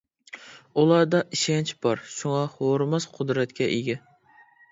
ئۇلاردا ئىشەنچ بار شۇڭا خورىماس قۇدرەتكە ئىگە.